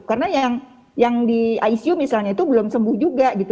karena yang di icu misalnya itu belum sembuh juga gitu